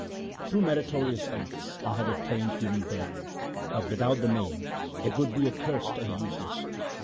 Through meritorious acts I have obtained human birth, but without the Name it would be accursed and useless.